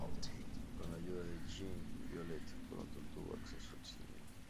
Con la ayuda de Jean, Violet pronto tuvo acceso al cine.